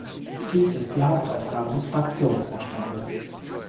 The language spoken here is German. Dies ist die Hauptaufgabe des Fraktionsvorstandes.